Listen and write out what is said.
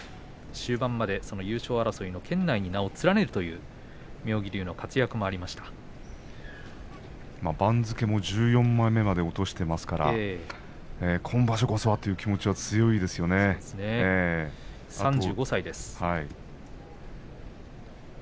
終盤まで優勝争いの圏内に名を連ねるというもう番付を１４枚目まで落としていますから今場所こそはという気持ちは３５歳です。